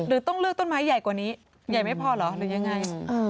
ต้องเลือกต้นไม้ใหญ่กว่านี้ใหญ่ไม่พอเหรอหรือยังไง